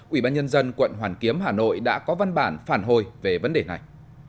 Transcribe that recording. ubnd quận hoàn kiếm hà nội đã có văn bản phản hồi về vấn đề này